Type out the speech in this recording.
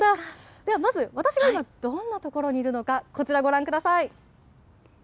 ではまず、私が今どんな所にいるのか、こちらご覧ください。